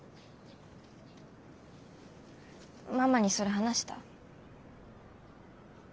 ママにそれ話した？